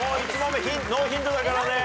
ノーヒントだからね。